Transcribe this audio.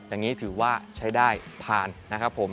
อย่างนี้ถือว่าใช้ได้ผ่านนะครับผม